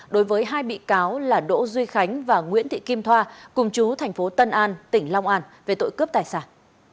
đối với hai bị cáo là đỗ duy khánh và nguyễn thị kim thoa cùng chú thành phố tân an tỉnh long an về tội cướp tài sản